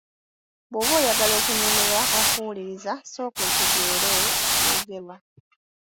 Bw'oba oyagala okunyumirwa okuwuliriza sooka otegeere ekyogerwa.